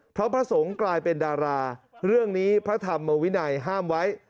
เพราะพระสงฆ์กลายเป็นดาราเรื่องนี้พระธรรมวินัยห้ามไว้